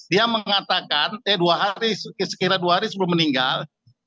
dia mengatakan eh dua hari sekira dua hari sebelum meninggal